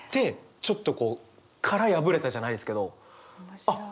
ちょっとこう殻破れたじゃないですけどあっ